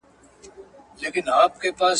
هغوی به خپله ژمنتیا ثابته کړې وي.